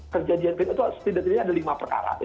kejadian itu setidaknya ada lima perkara